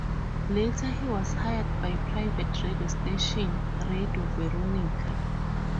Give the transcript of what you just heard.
Later he was hired by pirate radio station Radio Veronica.